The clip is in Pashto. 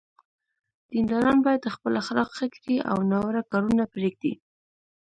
دینداران باید خپل اخلاق ښه کړي او ناوړه کارونه پرېږدي.